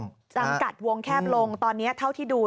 จำกัดวงแคบลงตอนนี้เท่าที่ดู